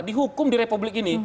dihukum di republik ini